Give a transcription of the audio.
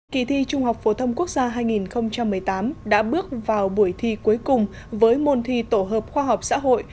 kỳ thi trung học phổ thông quốc gia hai nghìn một mươi tám đã bước vào buổi thi cuối cùng với môn thi tổ hợp khoa học xã hội